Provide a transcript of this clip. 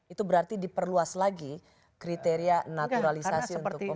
itu berarti diperluas lagi kriteria naturalisasi untuk pemerintah